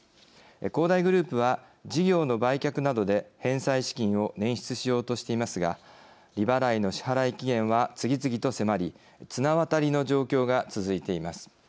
恒大グループは事業の売却などで返済資金を捻出しようとしていますが利払いの支払い期限は次々と迫り綱渡りの状況が続いています。